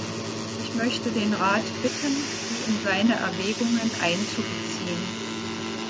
Ich möchte den Rat bitten, sie in seine Erwägungen einzubeziehen.